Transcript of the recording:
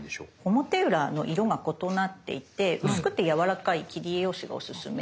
表裏の色が異なっていて薄くてやわらかい切り絵用紙がおすすめです。